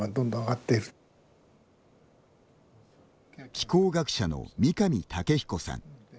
気候学者の三上岳彦さん。